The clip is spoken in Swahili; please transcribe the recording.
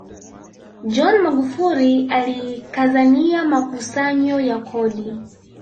john magufuli alikazania makusanyo ya kodi